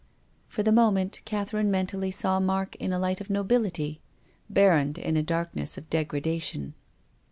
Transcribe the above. For the moment Catherine mentally saw Mark in a light of nobility ; Berrand in a darkness of degradation.